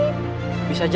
ini buku tabungan haji